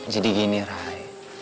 jadi gini rai